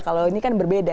kalau ini kan berbeda